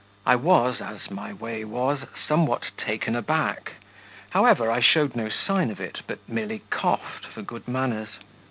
I was, as my way was, somewhat taken aback; however, I showed no sign of it, but merely coughed, for good manners.